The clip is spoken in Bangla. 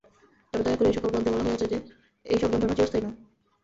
তবে দয়া করিয়া এই-সকল গ্রন্থে বলা হইয়াছে যে, এইসব যন্ত্রণা চিরস্থায়ী নহে।